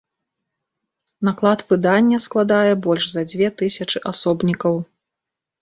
Наклад выдання складае больш за дзве тысячы асобнікаў.